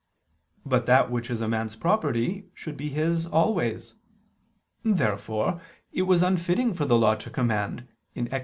But that which is a man's property should be his always. Therefore it was unfitting for the Law to command (Ex.